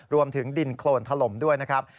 รวมถึงดินโครนถล่มด้วยนะครับ